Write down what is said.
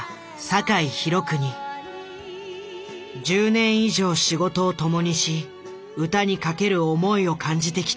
１０年以上仕事を共にし歌に懸ける思いを感じてきた。